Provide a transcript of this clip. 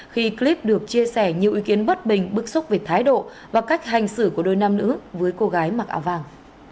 khi clip được chia sẻ nhiều ý kiến bất bình bức xúc về thái độ và cách hành xử của đôi nam nữ với cô gái mặc áo vàng